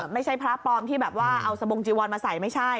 ไม่ใช่พระปลอมที่แบบว่าเอาสบงจีวอนมาใส่ไม่ใช่